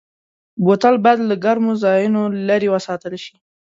بوتل باید له ګرمو ځایونو لېرې وساتل شي.